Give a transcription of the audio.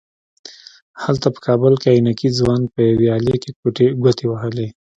هلته په کابل کې عينکي ځوان په يوې آلې کې ګوتې وهلې.